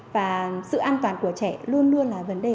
và sự an toàn của trẻ luôn luôn là vấn đề